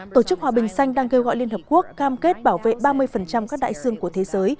tổ chức hòa bình xanh đang kêu gọi liên hợp quốc cam kết bảo vệ ba mươi các đại dương của thế giới